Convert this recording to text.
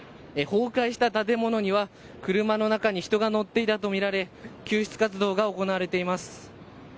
崩壊した建物には車の中に人が乗っていたとみられ救出活動が行われています。